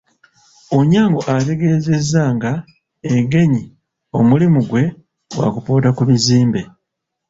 Onyango ategeezezza nga Engenyi ng'omulimu gwe gwa kupoota ku bizimbe.